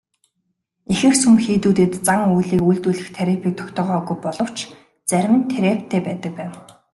Ихэнх сүм хийдүүдэд зан үйлийг үйлдүүлэх тарифыг тогтоогоогүй боловч зарим нь тарифтай байдаг байна.